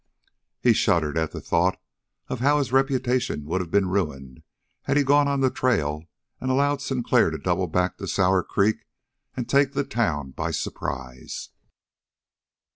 He shuddered at the thought of how his reputation would have been ruined had he gone on the trail and allowed Sinclair to double back to Sour Creek and take the town by surprise.